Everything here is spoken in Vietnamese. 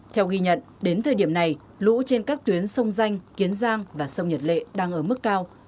theo ghi nhận đến thời điểm này lũ trên các tuyến sông danh kiến giang và sông nhật lệ đang ở mức cao